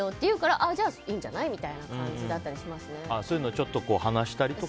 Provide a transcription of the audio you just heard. ああ、じゃあいいんじゃないっていう感じだったりしますね。